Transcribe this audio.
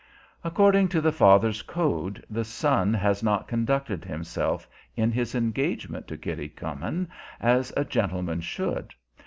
According to the father's code, the son has not conducted himself in his engagement to Kitty Comyn as a gentleman should.